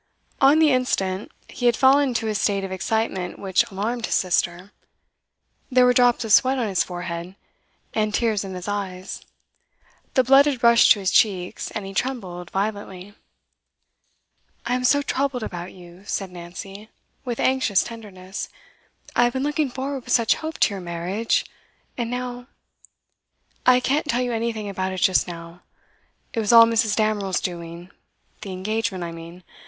On the instant, he had fallen into a state of excitement which alarmed his sister. There were drops of sweat on his forehead, and tears in his eyes; the blood had rushed to his cheeks, and he trembled violently. 'I am so troubled about you,' said Nancy, with anxious tenderness. 'I have been looking forward with such hope to your marriage, and now ' 'I can't tell you anything about it just now. It was all Mrs. Damerel's doing; the engagement, I mean.